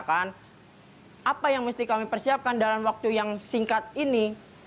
apa yang mesti kami persiapkan dalam waktu yang singkat ini